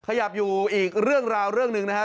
ขยับอยู่อีกเรื่องราวเรื่องหนึ่งนะฮะ